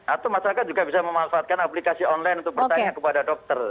atau masyarakat juga bisa memanfaatkan aplikasi online untuk bertanya kepada dokter